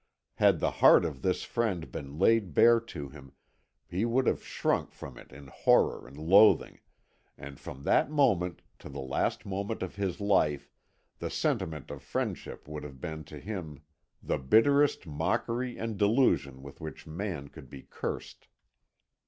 Had the heart of this friend been laid bare to him, he would have shrunk from it in horror and loathing, and from that moment to the last moment of his life the sentiment of friendship would have been to him the bitterest mockery and delusion with which man could be cursed.